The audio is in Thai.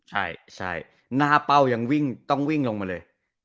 ใช่ใช่หน้าเป้ายังต้องวิ่งลงมาเลย